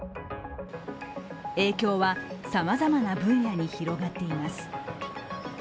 影響はさまざまな分野に広がっています。